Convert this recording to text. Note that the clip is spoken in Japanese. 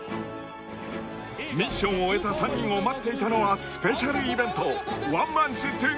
［ミッションを終えた３人を待っていたのはスペシャルイベント］